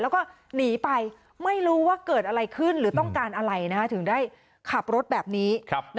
แล้วก็หนีไปไม่รู้ว่าเกิดอะไรขึ้นหรือต้องการอะไรถึงได้ขับรถแบบนี้